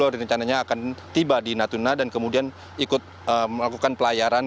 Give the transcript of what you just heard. rencananya akan tiba di natuna dan kemudian ikut melakukan pelayaran